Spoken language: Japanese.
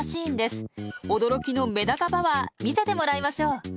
驚きのメダカパワー見せてもらいましょう。